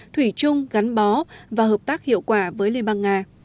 thủy chung gắn bó và hợp tác hiệu quả với liên bang nga